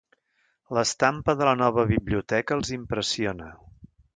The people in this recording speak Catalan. L'estampa de la nova biblioteca els impressiona.